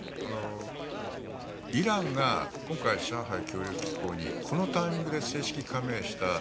イランが今回上海協力機構にこのタイミングで正式加盟した。